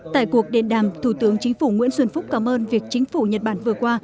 tại cuộc điện đàm thủ tướng chính phủ nguyễn xuân phúc cảm ơn việc chính phủ nhật bản vừa qua